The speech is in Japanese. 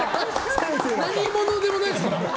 何者でもないですから。